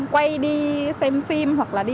quay đi xem phim hoặc là đi